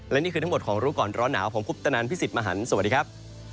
และนี่คือทั้งหมดของรู้ก่อนร้อนหนาวผมคุปตนันพี่สิทธิ์มหันฯสวัสดีครับ